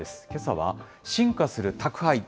けさは進化する宅配。